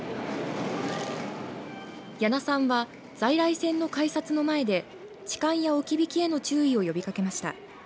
八名さんは在来線の改札の前で痴漢や置き引きへの注意を呼びかけました。